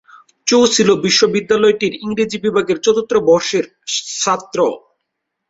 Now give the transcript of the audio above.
চো ছিল বিশ্ববিদ্যালয়টির ইংরেজি বিভাগের চতুর্থ বর্ষের ছাত্র।